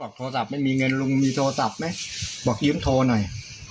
โทรศัพท์ไม่มีเงินลุงมีโทรศัพท์ไหมบอกยืมโทรหน่อย